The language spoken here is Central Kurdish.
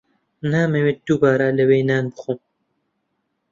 نامەوێت دووبارە لەوێ نان بخۆم.